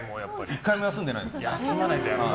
１回も休んでないです。